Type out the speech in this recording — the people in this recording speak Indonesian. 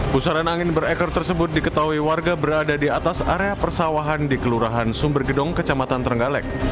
pusaran angin berekor tersebut diketahui warga berada di atas area persawahan di kelurahan sumbergedong kecamatan trenggalek